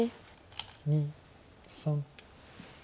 ２３。